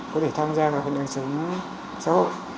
có thể tham gia vào hội đồng sống xã hội